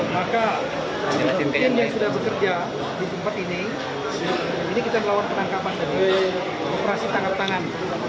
maka ctn yang sudah bekerja di tempat ini ini kita melakukan penangkapan dari operasi tangkap tangan